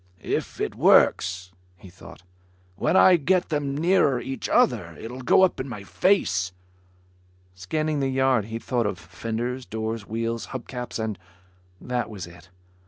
"If it works," he thought, "when I get them nearer each other, it'll go up in my face." Scanning the yard he thought of fenders, doors, wheels, hub caps and ... that was it.